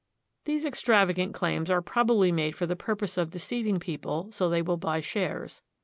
These extravagant claims are probably made for the purpose of deceiving people so they will buy shares.